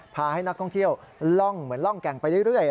พาให้นักท่องเที่ยวล่องเหมือนล่องแก่งไปเรื่อย